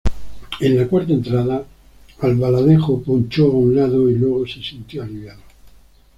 En la cuarta entrada, Albaladejo ponchó a un lado, y luego se sintió aliviado.